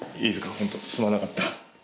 本当にすまなかった。